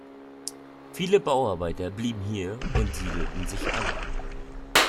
Viele Bauarbeiter blieben hier und siedelten sich an.